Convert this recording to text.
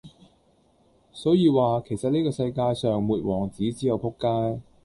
所以話,其實呢個世界上沒王子只有仆街